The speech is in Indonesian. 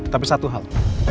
tapi satu hal